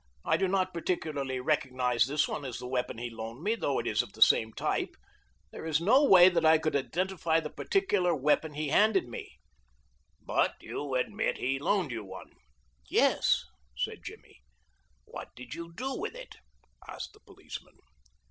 I do not particularly recognize this one as the weapon he loaned me, though it is of the same type. There is no way that I could identify the particular weapon he handed me." "But you admit he loaned you one?" "Yes," said Jimmy. "What did you do with it?" asked the policeman.